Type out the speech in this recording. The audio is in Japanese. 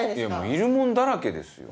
いるもんだらけですよ。